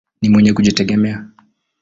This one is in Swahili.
Ni mwenye kujitegemea.